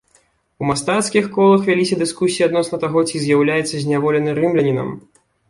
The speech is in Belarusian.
У мастацкіх колах вяліся дыскусіі адносна таго, ці з'яўляецца зняволены рымлянінам.